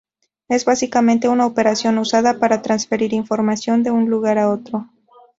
Es básicamente una operación usada para transferir información de un lugar a otro.